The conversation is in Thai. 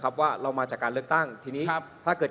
คุณเขตรัฐพยายามจะบอกว่าโอ้เลิกพูดเถอะประชาธิปไตย